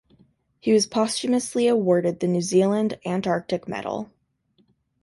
He was posthumously awarded the New Zealand Antarctic Medal.